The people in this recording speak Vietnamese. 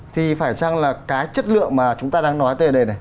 thì phải chăng là cái chất lượng mà chúng ta đang nói tới đây này